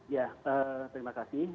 ya terima kasih